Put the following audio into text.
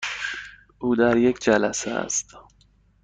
او در یک جلسه است.